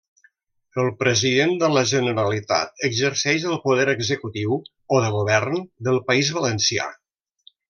El President de La Generalitat exercix el poder executiu o de govern del País Valencià.